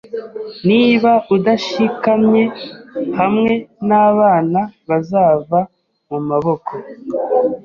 Niba udashikamye hamwe nabana, bazava mumaboko.